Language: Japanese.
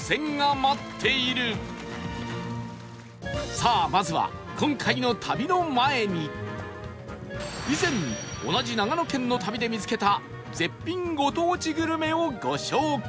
さあまずは以前同じ長野県の旅で見つけた絶品ご当地グルメをご紹介